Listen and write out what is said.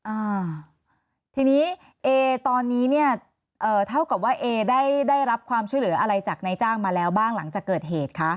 อ่าทีนี้เอตอนนี้เนี่ยเอ่อเท่ากับว่าเอได้ได้รับความช่วยเหลืออะไรจากนายจ้างมาแล้วบ้างหลังจากเกิดเหตุคะ